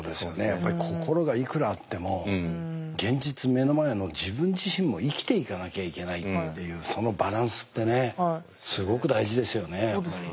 やっぱり心がいくらあっても現実目の前の自分自身も生きていかなきゃいけないっていうそのバランスってねすごく大事ですよねやっぱり。